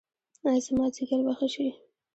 ایا زما ځیګر به ښه شي؟